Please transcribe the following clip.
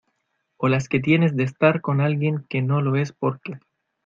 o las que tienes de estar con alguien que no lo es porque